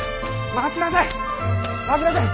待ちなさい！